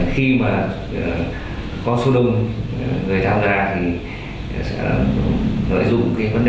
khi mà có số đông người tham gia thì sẽ lợi dụng cái vấn đề đó